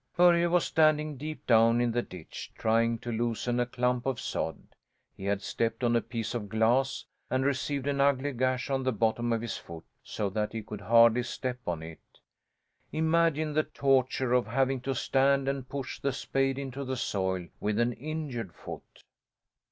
Börje was standing deep down in the ditch, trying to loosen a clump of sod. He had stepped on a piece of glass, and received an ugly gash on the bottom of his foot, so that he could hardly step on it. Imagine the torture of having to stand and push the spade into the soil with an injured foot!